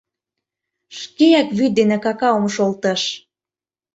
Шкеак вӱд дене какаом шолтыш.